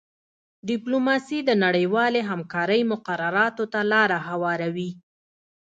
ډیپلوماسي د نړیوالې همکارۍ مقرراتو ته لاره هواروي